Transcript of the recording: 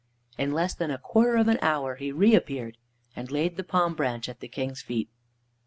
In less than a quarter of an hour he reappeared, and laid the palm branch at the King's feet.